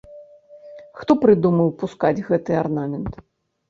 Хто прыдумаў пускаць гэты арнамент?